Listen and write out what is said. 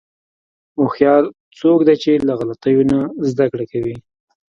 هوښیار څوک دی چې له غلطیو نه زدهکړه کوي.